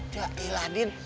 ya elah din